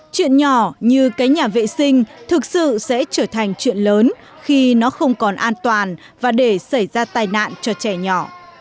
chuyện nhỏ như cái nhà vệ sinh thực sự sẽ trở thành chuyện lớn khi nó không còn an toàn và để xảy ra tai nạn cho trẻ nhỏ